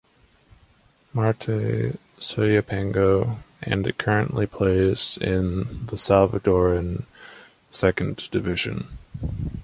Marte Soyapango and it currently plays in the Salvadoran Second Division.